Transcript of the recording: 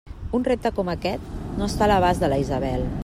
Un repte com aquest no està a l'abast de la Isabel!